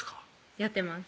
やってます